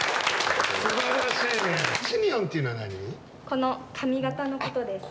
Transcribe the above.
この髪形のことです。